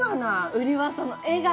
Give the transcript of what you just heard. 売りはその笑顔で。